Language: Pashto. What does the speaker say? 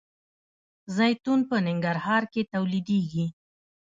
زیتون په ننګرهار کې تولیدیږي.